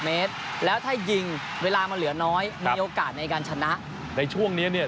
เมตรแล้วถ้ายิงเวลามันเหลือน้อยมีโอกาสในการชนะในช่วงนี้เนี่ย